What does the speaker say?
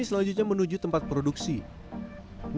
nah sebelumnya kita berada di tempat produksi ini